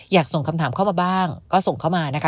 อยากส่งคำถามเข้ามาบ้างก็ส่งเข้ามานะคะ